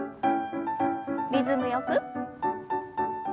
リズムよく。